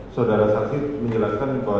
saudara saksit menjelaskan bahwa